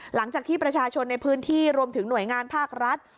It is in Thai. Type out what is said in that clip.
หลังจากที่ประชาชนในพื้นที่รวมถึงหน่วยงานภาครัฐ